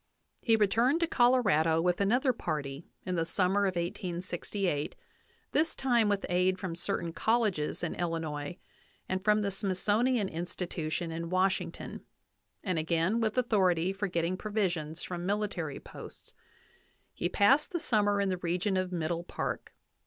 VIII He returned to Colorado with another party in the summer of 1868, this time with aid from certain colleges in Illinois, and from the Smithsonian Institution in Washington, and again with authority for getting provisions from military posts. He passed the summer in the region of Middle Park.